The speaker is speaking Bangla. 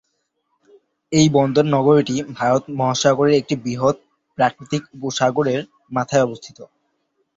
এই বন্দর নগরীটি ভারত মহাসাগরের একটি বৃহৎ প্রাকৃতিক উপসাগরের মাথায় অবস্থিত।